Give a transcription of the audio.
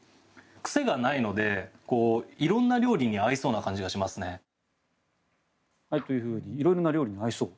癖がないので色んな料理に合いそうな感じがしますね。というふうに色んな料理に合いそう。